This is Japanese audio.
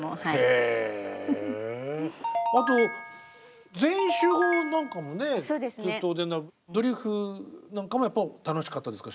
へえあと「全員集合」なんかもねずっとお出になってドリフなんかもやっぱり楽しかったですか